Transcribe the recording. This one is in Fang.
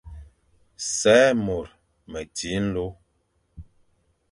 Sè môr meti nlô.